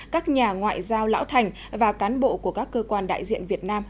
các nhà ngoại giao lão thành và cán bộ của các cơ quan đại diện việt nam